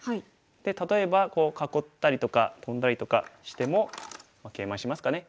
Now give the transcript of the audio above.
例えばこう囲ったりとかトンだりとかしてもケイマしますかね。